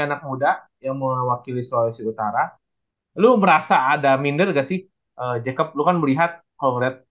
anak muda yang mewakili sulawesi utara lu merasa ada minder gak sih jacob lu kan melihat konglet